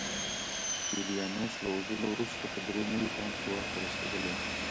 جولیانوس له وژلو وروسته په درې نوي کال کې واک ته رسېدلی و